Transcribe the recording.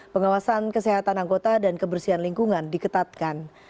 pengawasan kesehatan anggota dan kebersihan lingkungan diketatkan